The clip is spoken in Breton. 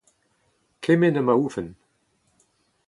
kement ha ma oufen